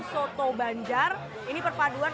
soto banjar ini perpaduan